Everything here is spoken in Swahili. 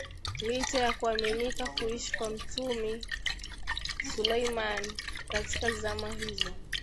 licha ya kuaminika kuishi kwa Mtumi Suleimani katika zama hizo